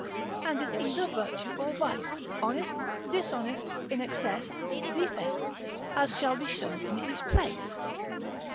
and is either virtue or vice, honest, dishonest, in excess, defect, as shall be showed in his place.